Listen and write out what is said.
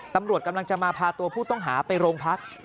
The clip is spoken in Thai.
ตำรวจกำลังจะมาพาตัวผู้ต้องหาไปโรงพัก